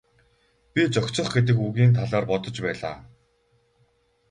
Би зохицох гэдэг үгийн талаар бодож байлаа.